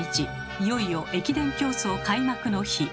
いよいよ「駅伝競走」開幕の日。